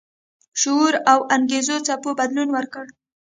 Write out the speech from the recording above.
شعور او انګیزو څپو بدلون ورکړ.